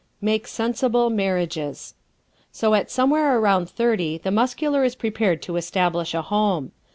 Make "Sensible" Marriages ¶ So at somewhere around thirty the Muscular is prepared to establish a home.